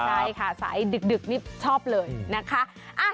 ใช่ค่ะสายดึกนี่ชอบเลยนะคะ